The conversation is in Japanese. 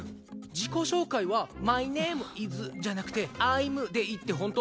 自己紹介は「マイネームイズ」じゃなくて「アイム」でいいって本当？